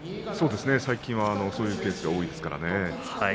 最近はそういうケースが多いですね。